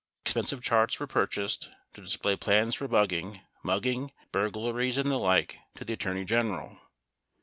Expensive charts were purchased, to display plans for bugging, mugging, burglaries, and the like to the Attorney General.